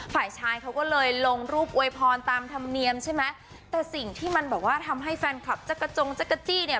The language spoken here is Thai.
ฝ่ายชายเขาก็เลยลงรูปอวยพรตามธรรมเนียมใช่ไหมแต่สิ่งที่มันแบบว่าทำให้แฟนคลับจักรจงจักรจี้เนี่ย